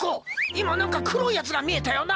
今何か黒いやつが見えたよな？